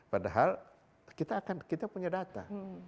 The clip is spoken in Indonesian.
padahal kita punya data